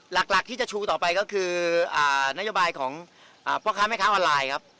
หลักที่จะชูต่อไปก็คือนโยบายของพ่อค้าแม่ค้าออนไลน์ครับ